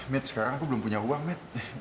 mates sekarang aku belum punya uang mates